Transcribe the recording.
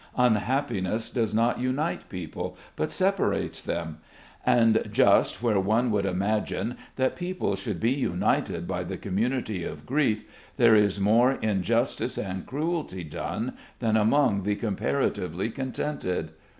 Unhappiness does not unite people, but separates them; and just where one would imagine that people should be united by the community of grief, there is more injustice and cruelty done than among the comparatively contented.